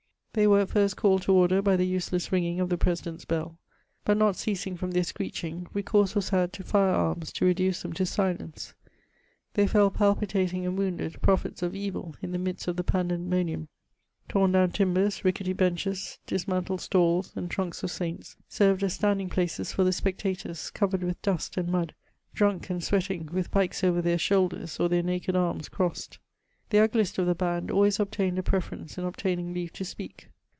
They were at tiret called to order by the nsdess ringing of the j^^dent's bell; but not ceasing from theff scr^ching, recourse was had to fiie arms tx> redboe Ihem to silence ; they fell palpitating and wounded, prophets of evil in the midst of the Pandemonium. Tom down timbers, rickety benches, dismantled stalls, and trunks of saints, roUed or pudied against the walls, served as standing places fcxr the s^pectaton, covered with dust and mud, drunk and sweating, with pikes over their shoulders, or their naked arms crossed. The ugliest of ihe band always obtained a preference in ob taining leave to speak.